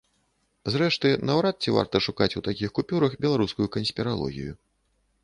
Зрэшты, наўрад ці варта шукаць у такіх купюрах беларускую канспіралогію.